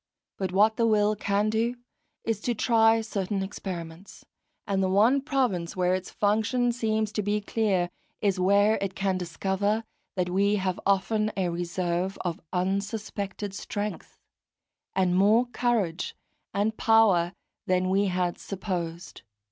But what the will can do is to try certain experiments, and the one province where its function seems to be clear, is where it can discover that we have often a reserve of unsuspected strength, and more courage and power than we had supposed.